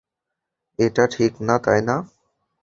এটা ঠিক না, তাই না?